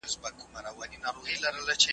د بریښنایی تذکرو ویش پیل سوی و.